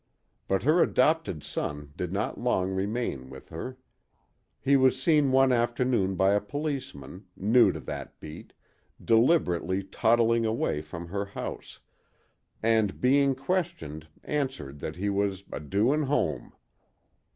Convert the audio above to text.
But her adopted son did not long remain with her. He was seen one afternoon by a policeman, new to that beat, deliberately toddling away from her house, and being questioned answered that he was "a doin' home."